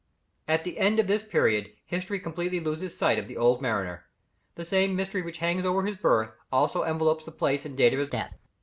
At the end of this period, history completely loses sight of the old mariner. The same mystery which hangs over his birth, also envelopes the place and date of his death.